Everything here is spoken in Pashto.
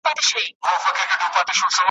تاسي یې وګوری چي له هغه څخه څه راباسی .